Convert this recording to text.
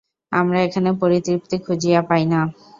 আমরা এখানে পরিতৃপ্তি খুঁজিয়া পাই না।